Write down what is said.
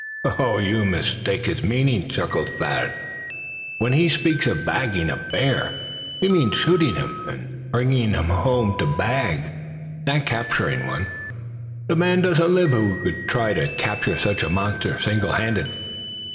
"Oh! you mistake his meaning," chuckled Thad, "When he speaks of bagging a bear he means shooting him and bringing him to bag, not capturing one. The man doesn't live who would try to capture such a monster, single handed."